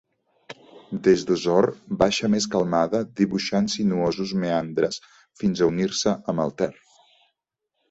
Des d'Osor, baixa més calmada, dibuixant sinuosos meandres fins a unir-se amb el Ter.